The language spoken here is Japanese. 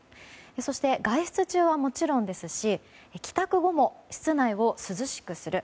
そして、外出中はもちろんですし帰宅後も室内を涼しくする。